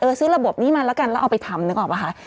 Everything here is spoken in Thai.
ซื้อระบบนี้มาแล้วกันแล้วเอาไปทำนึกออกป่ะคะ